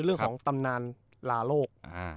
เรื่องของตำนานลาโลก